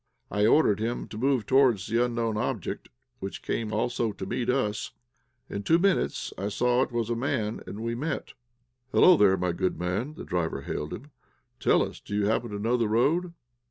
I ordered him to move towards the unknown object, which came also to meet us. In two minutes I saw it was a man, and we met. "Hey, there, good man," the driver hailed him, "tell us, do you happen to know the road?"